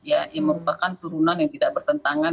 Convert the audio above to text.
yang merupakan turunan yang tidak bertentangan